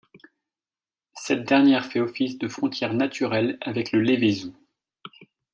Cette dernière fait office de frontière naturelle avec le Lévézou.